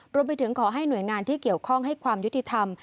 รวมไปถึงขอให้หน่วยงานที่เกี่ยวข้องให้ความยุติธรรม